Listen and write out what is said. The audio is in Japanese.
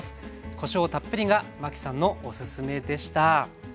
こしょうをたっぷりがマキさんのおすすめでした。